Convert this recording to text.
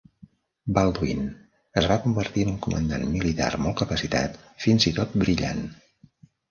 Baldwin es va convertir en un comandant militar molt capacitat, fins i tot brillant.